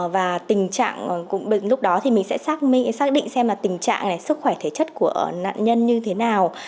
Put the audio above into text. và lúc đó mình sẽ xác định xem tình trạng sức khỏe thể chất của nạn nhân như thế nào